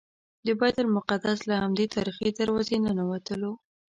د بیت المقدس له همدې تاریخي دروازې ننوتلو.